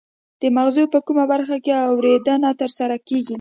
د مغزو په کومه برخه کې اوریدنه ترسره کیږي